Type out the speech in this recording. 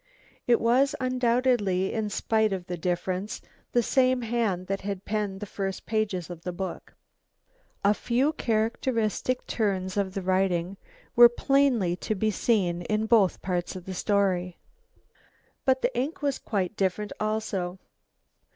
It was undoubtedly, in spite of the difference, the same hand that had penned the first pages of the book. A few characteristic turns of the writing were plainly to be seen in both parts of the story. But the ink was quite different also.